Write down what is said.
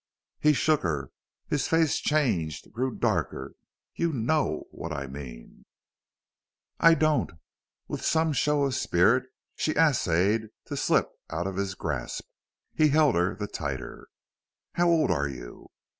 He shook her. His face changed, grew darker. "You KNOW what I mean." "I don't." With some show of spirit she essayed to slip out of his grasp. He held her the tighter. "How old are you?"